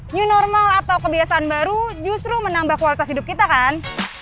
new normal atau kebiasaan baru justru menambah kualitas hidup kita kan